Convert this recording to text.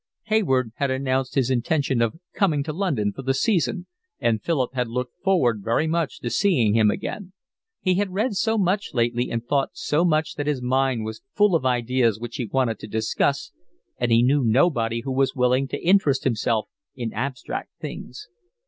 Hayward had announced his intention of coming to London for the season, and Philip had looked forward very much to seeing him again. He had read so much lately and thought so much that his mind was full of ideas which he wanted to discuss, and he knew nobody who was willing to interest himself in abstract things.